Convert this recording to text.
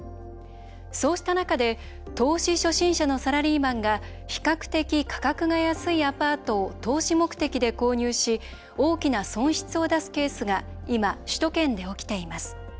そうした中で投資初心者のサラリーマンが比較的、価格が安いアパートを投資目的で購入し大きな損失を出すケースが今、首都圏で起きています。